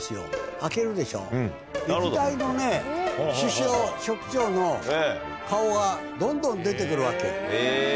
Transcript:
開けるでしょ歴代のね首相書記長の顔がどんどん出て来るわけ。